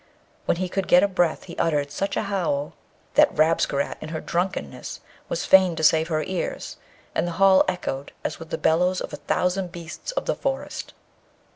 When he could get a breath he uttered such a howl that Rabesqurat in her drunkenness was fain to save her ears, and the hall echoed as with the bellows of a thousand beasts of the forest.